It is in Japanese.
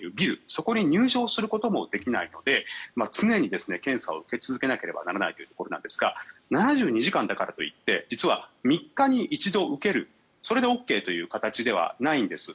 そこに入場することもできないので常に検査を受け続けなければいけないというところなんですが７２時間だからといって実は３日に一度受けるそれでＯＫという形ではないんです。